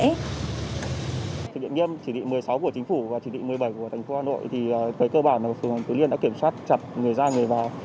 điện nghiêm chỉ định một mươi sáu của chính phủ và chỉ định một mươi bảy của thành phố hà nội thì cái cơ bản là phường tứ liên đã kiểm soát chặt người ra người vào